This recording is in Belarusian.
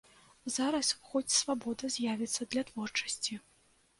Зараз хоць свабода з'явіцца для творчасці.